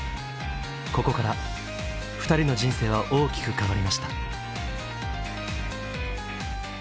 ここから２人の人生は大きく変わりました。